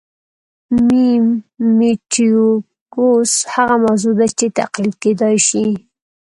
میمیټیکوس هغه موضوع ده چې تقلید کېدای شي